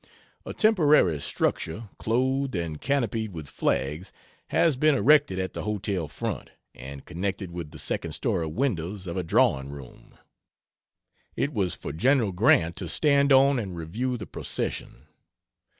A temporary structure, clothed and canopied with flags, has been erected at the hotel front, and connected with the second story windows of a drawing room. It was for Gen. Grant to stand on and review the procession.